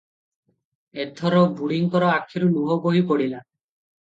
ଏଥର ବୁଢ଼ୀଙ୍କର ଆଖିରୁ ଲୁହ ବୋହି ପଡ଼ିଲା ।